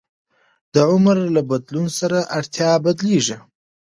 د عمر له بدلون سره اړتیا بدلېږي.